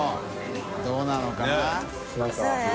どうなのかな？ねぇ。